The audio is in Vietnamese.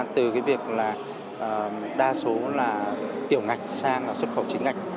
từ cái việc là đa số là tiểu ngạch sang là xuất khẩu chính ngạch